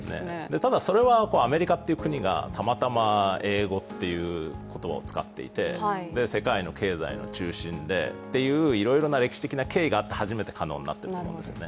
ただそれは、アメリカという国がたまたま英語っていう言葉を使っていて世界の経済の中心でといういろいろな歴史的な経緯があって初めて可能になっていることですよね。